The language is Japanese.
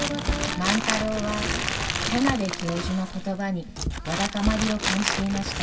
万太郎は田邊教授の言葉にわだかまりを感じていました。